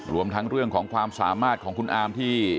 รวมทั้งเรื่องของความสามารถของคุณอามที่